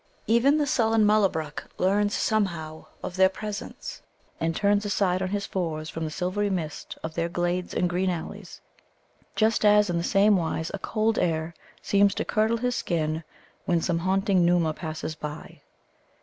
Even the sullen Mullabruk learns somehow of their presence, and turns aside on his fours from the silvery mist of their glades and green alleys, just as in the same wise a cold air seems to curdle his skin when some haunting Nōōma passes by.